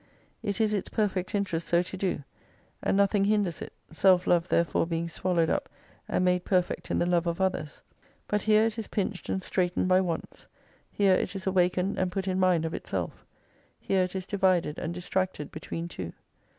It is its perfect interest so to do, and nothing hinders it, self love therefore being swallowed up and made perfect in the love of others. But here it is pinched and straitened by wants : here it is awakened and put in mind of itself : here it is divided and distracted between two.